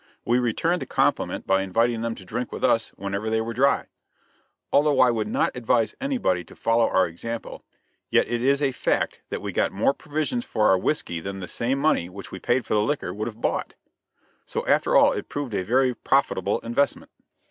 We returned the compliment by inviting them to drink with us whenever they were dry. Although I would not advise anybody to follow our example, yet it is a fact that we got more provisions for our whiskey than the same money, which we paid for the liquor, would have bought; so after all it proved a very profitable investment.